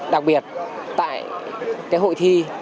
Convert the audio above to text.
đặc biệt tại hội thi